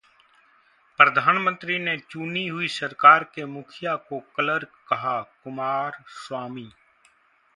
प्रधानमंत्री ने चुनी हुई सरकार के मुखिया को क्लर्क कहा- कुमारस्वामी